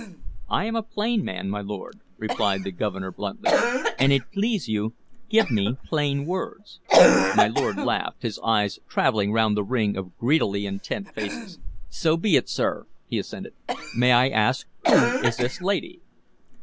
"I am a plain man, my lord," replied the Governor bluntly. "An it please you, give me plain words." My lord laughed, his eyes traveling round the ring of greedily intent faces. "So be it, sir," he assented. "May I ask who is this lady?"